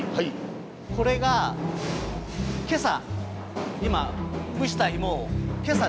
これがけさ